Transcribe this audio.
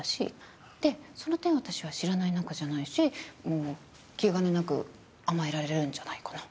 でその点私は知らない仲じゃないし気兼ねなく甘えられるんじゃないかな？